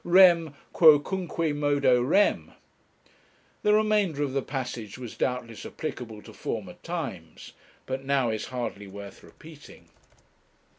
Rem..., quocunque modo rem! The remainder of the passage was doubtless applicable to former times, but now is hardly worth repeating.